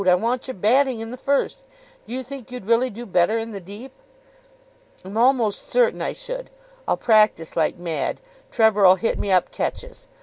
I want your batting in the first. Do you think you'd really do better in the deep?" "I'm almost certain I should. I'll practise like mad. Trevor'll hit me up catches.